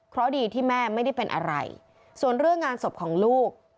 เพราะดีที่แม่ไม่ได้เป็นอะไรส่วนเรื่องงานศพของลูก